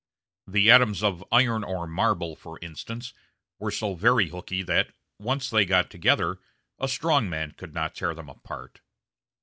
The atoms of iron or marble, for instance, were so very hooky that, once they got together, a strong man could not tear them apart.